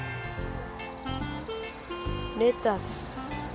レタス。